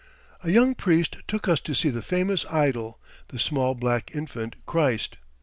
A young priest took us to see the famous idol, the small black infant Christ.